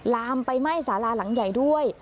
ลามไปไหม้สาราหลังใหญ่ด้วย